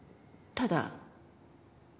「ただ」